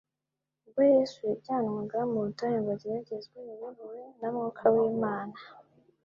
Ubwo Yesu yajyanwaga mu butayu ngo ageragezwe, Yayobowe na Mwuka w'Imana